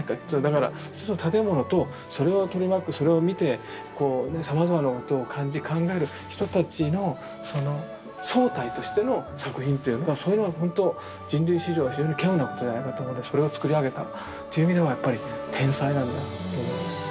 だからその建物とそれを取り巻くそれを見てこうねさまざまなことを感じ考える人たちのその総体としての作品っていうのがそういうのはほんと人類史上非常にけうなことじゃないかと思うんでそれをつくり上げたという意味ではやっぱり天才なんだと思いました。